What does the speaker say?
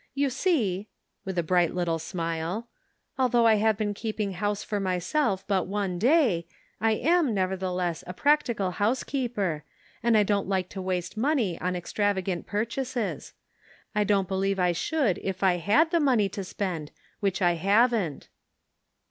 You see," with a bright little smile, "although I have been keeping house for myself but one day, I am, nevertheless, a practical housekeeper, 38 The Pocket Measure. and I don't like to waste money on extravagant purchases. I don't believe 1 should if I had the money to spend, which 1 hav'n't."